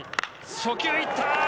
初球、行った！